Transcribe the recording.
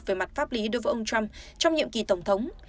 về mặt pháp lý đối với ông trump trong nhiệm kỳ tổng thống